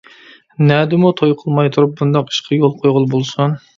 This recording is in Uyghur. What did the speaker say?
نەدىمۇ توي قىلماي تۇرۇپ بۇنداق ئىشقا يول قويغىلى بولسۇن؟ !